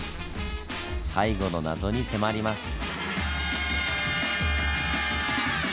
最後の謎に迫ります。